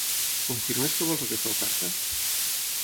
Confirmes que vols aquesta oferta?